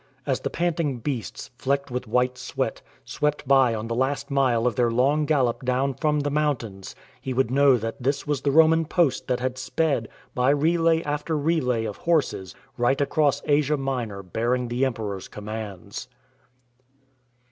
As the panting beasts, flecked with white sweat, swept by on the last mile of their long gallop down from the mountains, he would know that this was the Roman post that had sped, by relay after relay of horses, right across Asia Minor bearing the Emperor's commands.